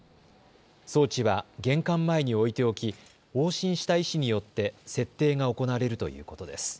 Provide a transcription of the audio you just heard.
装置は玄関前に置いておき往診した医師によって設定が行われるということです。